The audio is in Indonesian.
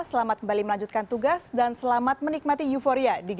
selamat kembali melanjutkan tugas dan selamat menikmati euforia